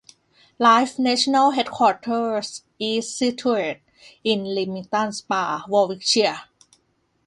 Life National Headquarters is situated in Leamington Spa, Warwickshire.